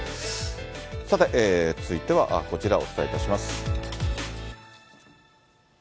さて、続いてはこちらをお伝えいたします。